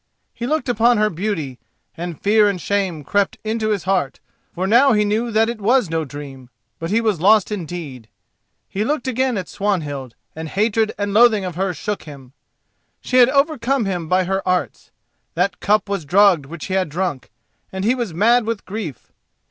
He looked upon her beauty, and fear and shame crept into his heart, for now he knew that it was no dream, but he was lost indeed. He looked again at Swanhild, and hatred and loathing of her shook him. She had overcome him by her arts; that cup was drugged which he had drunk, and he was mad with grief.